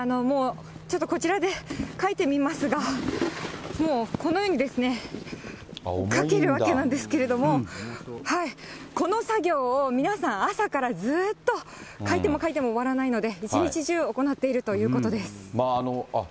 もうちょっとこちらでかいてみますが、もう、このようにですね、かけるわけなんですけれども、この作業を皆さん、朝からずっとかいてもかいても終わらないので、一日中、行っているということです。